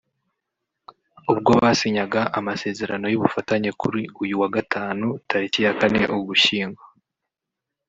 ubwo basinyaga amasezerano y’ubufatanye kuri uyu wa Gatanu tariki ya Kane Ugushyingo